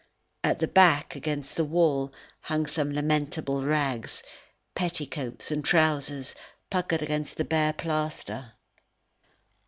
At the back, against the wall, hung some lamentable rags, petticoats and trousers, puckered against the bare plaster.